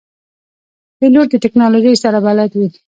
پیلوټ د تکنالوژۍ سره بلد وي.